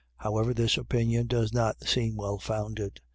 However, this opinion does not seem well founded.